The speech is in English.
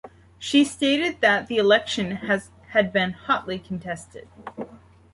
She stated that the election had been hotly contested.